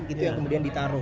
itu yang kemudian ditaruh